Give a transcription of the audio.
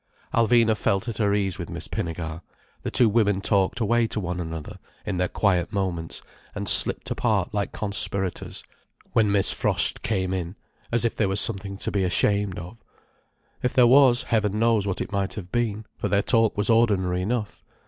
Alvina felt at her ease with Miss Pinnegar. The two women talked away to one another, in their quiet moments: and slipped apart like conspirators when Miss Frost came in: as if there was something to be ashamed of. If there was, heaven knows what it might have been, for their talk was ordinary enough.